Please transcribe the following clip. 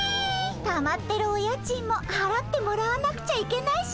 たまってるお家賃もはらってもらわなくちゃいけないしね。